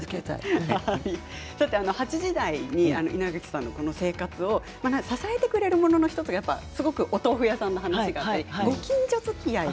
８時台に稲垣さんの生活を支えてくれるものの１つがお豆腐屋さんの話があったり、ご近所づきあい